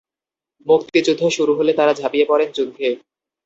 মুক্তিযুদ্ধ শুরু হলে তারা ঝাঁপিয়ে পড়েন যুদ্ধে।